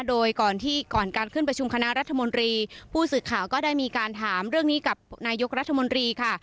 โดยก่อนที่ก่อนการขึ้นประชุมคณะรัฐมนตรีผู้สื่อข่าวก็ได้มีการถามเรื่องนี้กับนายกรัฐมนตรีค่ะ